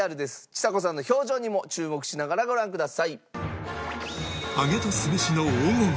ちさ子さんの表情にも注目しながらご覧ください。